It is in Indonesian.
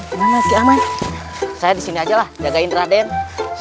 polai disini aja nah jagain raden tumors